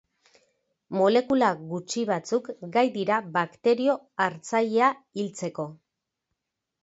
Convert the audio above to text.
Molekula gutxi batzuk gai dira bakterio hartzailea hiltzeko.